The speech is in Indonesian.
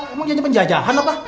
emang jadinya penjajahan apa